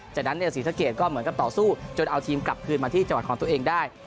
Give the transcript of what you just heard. จากนั้นศรีสะเกดก็เหมือนกับต่อสู้จนเอาทีมกลับคืนมาที่จังหวัดของตัวเองได้